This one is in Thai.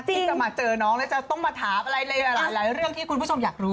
ที่จะมาเจอน้องแล้วจะต้องมาถามอะไรหลายเรื่องที่คุณผู้ชมอยากรู้